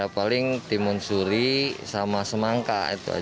paling timun suri sama semangka